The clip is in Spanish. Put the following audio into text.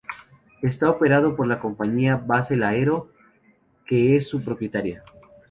Está operado por la compañía Basel Aero, que es su propietaria.